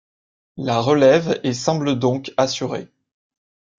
La relève est semble donc assurée.